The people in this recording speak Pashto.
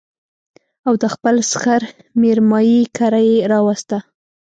او د خپل سخر مېرمايي کره يې راوسته